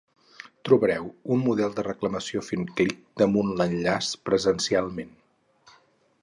Trobareu un model de reclamació fent clic damunt l'enllaç 'Presencialment'.